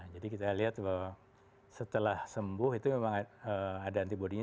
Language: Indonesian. jadi kita lihat bahwa setelah sembuh itu memang ada antibody ini